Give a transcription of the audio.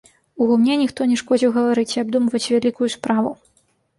У гумне ніхто не шкодзіў гаварыць і абдумваць вялікую справу.